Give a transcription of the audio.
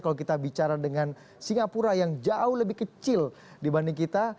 kalau kita bicara dengan singapura yang jauh lebih kecil dibanding kita